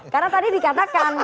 karena tadi dikatakan